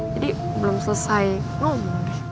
jadi belum selesai ngomong